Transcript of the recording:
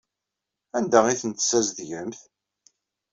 Anda ay ten-tessazedgemt?